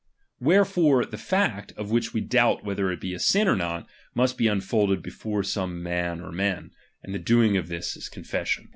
Wherefore the fact, of which we doubt ■nep„i,„a, whether it be a sin or not, must be unfolded be ™.iiangui..iofoi e some man or men ; and the doing of this is ^m confession.